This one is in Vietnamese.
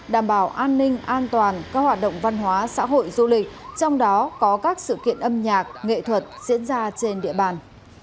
đảm bảo an ninh an toàn các hoạt động văn hóa xã hội du lịch trong đó có các sự kiện âm nhạc nghệ thuật diễn ra trên địa bàn